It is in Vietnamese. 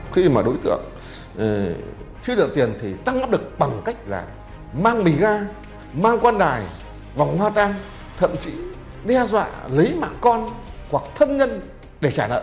khi mà đối tượng chưa đợi tiền thì tăng gấp được bằng cách là mang mì ga mang quan đài vòng hoa tan thậm chí đe dọa lấy mạng con hoặc thân nhân để trả nợ